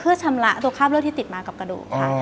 เพื่อชำระตัวคราบเลือดที่ติดมากับกระดูกค่ะ